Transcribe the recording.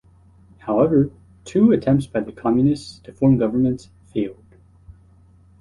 However, two attempts by the communists to form governments failed.